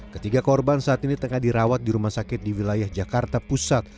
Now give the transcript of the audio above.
ketiga korban saat ini tengah dirawat di rumah sakit di wilayah jakarta pusat